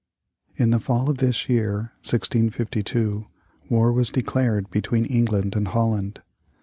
In the fall of this year, 1652, war was declared between England and Holland.